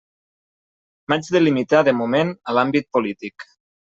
M'haig de limitar de moment a l'àmbit polític.